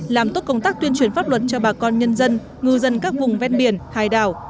làm tốt công tác tuyên truyền pháp luật cho bà con nhân dân ngư dân các vùng ven biển hải đảo